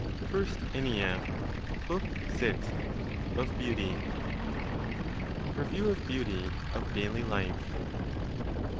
FIRST ENNEAD, BOOK SIXTH. Of Beauty. REVIEW OF BEAUTY OF DAILY LIFE.